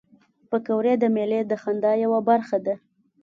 پکورې د میلې د خندا یوه برخه ده